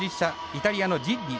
イタリアのジッリ。